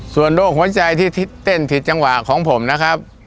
ส่วนโรคหัวใจที่เต้นผิดจังหวะของผมนะครับ